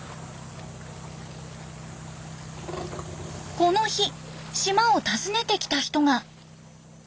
この日島を訪ねてきた人が。